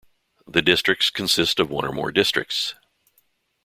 The districts consist of one or more districts.